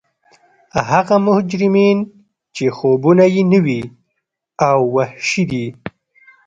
هغه مجرمین چې خوبونه یې نوي او وحشي دي